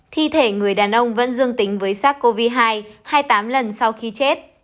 thi thể người đàn ông vẫn dương tính với sars cov hai hai mươi tám lần sau khi chết